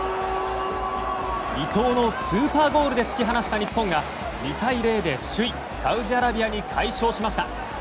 伊東のスーパーゴールで突き放した日本が２対０で首位サウジアラビアに快勝しました。